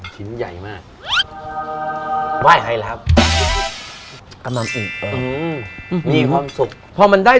ชิ้นใหญ่มากไหว้ใครรับกำนันอีกมีความสุขพอมันได้